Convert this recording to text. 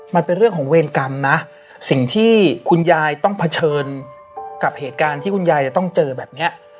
มันเป็นเรื่องของเวรกรรมนะสิ่งที่คุณยายต้องเผชิญกับเหตุการณ์ที่คุณยายจะต้องเจอแบบเนี้ย